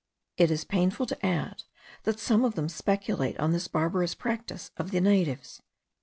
It is painful to add, that some of them speculate on this barbarous practice of the natives.